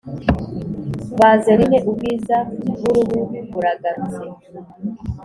Vazerine ubwiza buruhu buragarutse